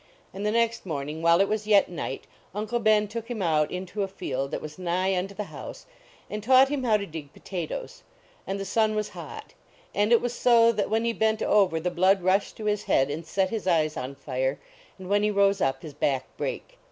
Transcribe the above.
And the next morning, while it was yet night, Uncle Ben took him out into a field that was nigh unto the house, and taught him how to dig potatoes. And the sun was hot. And it was so that when he bent over the blood rushed to his head and set his eyes on fire, and when he rose up his back brake.